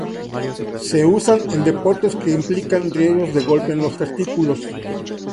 Se usa en deportes que implican riesgo de golpe en los testículos.